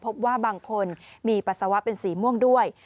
พบว่าบางคนมีปัสสาวะเป็นสีม่วงด้วย